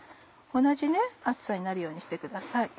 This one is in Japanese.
同じ厚さになるようにしてください。